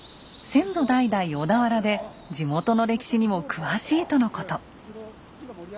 先祖代々小田原で地元の歴史にも詳しいとのこと。